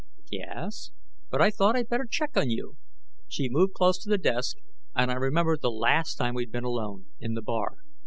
"Yes, but I thought I'd better check on you." She moved close to the desk, and I remembered the last time we'd been alone, in the bar.